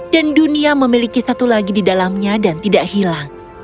dan dunia memiliki satu lagi di dalamnya dan tidak hilang